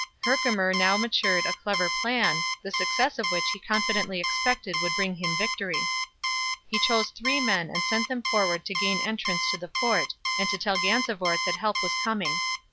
Herkimer now matured a clever plan, the success of which he confidently expected would bring him victory. He chose three men and sent them forward to gain entrance to the fort and to tell Gansevoort that help was coming.